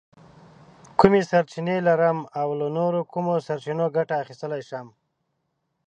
کومې سرچینې لرم او له نورو کومو سرچینو ګټه اخیستلی شم؟